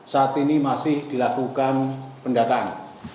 saat ini masih dilakukan pendataan